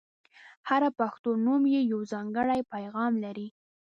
• هر پښتو نوم یو ځانګړی پیغام لري.